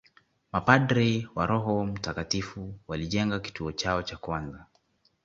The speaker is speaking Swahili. Mapadre wa Roho mtakatifu walijenga kituo chao cha kwanza